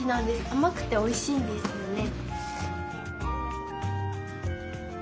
甘くておいしいんですよね。